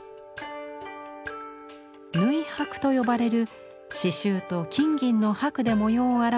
「縫箔」と呼ばれる刺繍と金銀の箔で模様を表した衣装です。